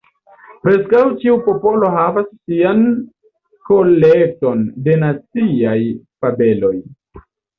Preskaŭ ĉiu popolo havas sian kolekton de naciaj fabeloj.